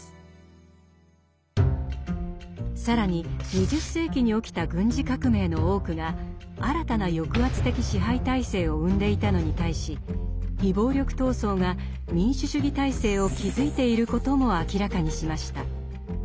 更に２０世紀に起きた軍事革命の多くが新たな抑圧的支配体制を生んでいたのに対し非暴力闘争が民主主義体制を築いていることも明らかにしました。